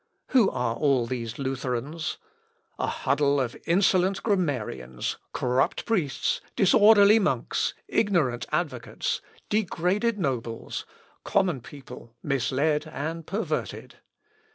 Who are all these Lutherans? A huddle of insolent grammarians, corrupt priests, disorderly monks, ignorant advocates, degraded nobles, common people misled and perverted.